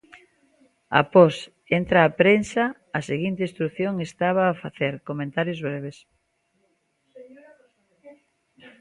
Após "Entra a prensa", a seguinte instrución instábao a facer "comentarios breves".